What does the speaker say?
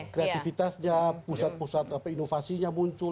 kreativitasnya pusat pusat inovasinya muncul